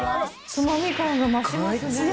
ツマミ感が増しますね。